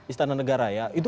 istana negara ya